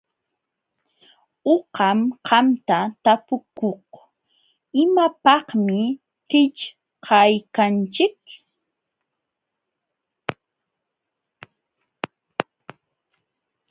Uqam qamta tapukuk: ¿Imapaqmi qillqaykanchik?